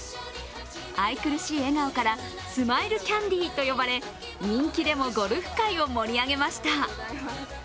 愛くるしい笑顔からスマイルキャンディーと呼ばれ人気でもゴルフ界を盛り上げました。